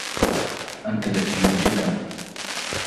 انت ذكي جدا